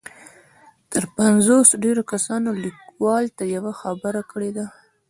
تر پنځوس ډېرو کسانو ليکوال ته يوه خبره کړې ده.